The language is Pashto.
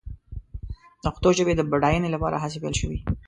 د پښتو ژبې د بډاینې لپاره هڅې پيل شوې.